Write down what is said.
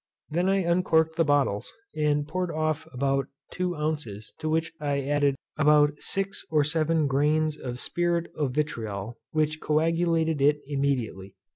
I then uncorked the bottles, and poured off about oz. ii to which I added about 6 or 7 gtts of spirit of vitriol, which coagulated it immediately.